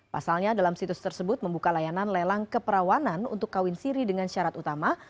pasalnya dalam situs tersebut membuka layanan lelang keperawanan untuk kawin siri dengan syarat utama